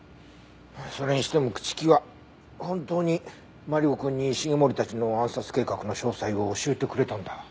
それにしても朽木は本当にマリコくんに繁森たちの暗殺計画の詳細を教えてくれたんだ。